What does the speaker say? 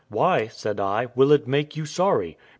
"Why," said I, "will it make you sorry?"